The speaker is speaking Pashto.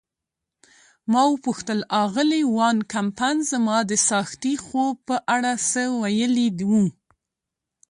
ما وپوښتل: آغلې وان کمپن زما د څاښتي خوب په اړه څه ویلي وو؟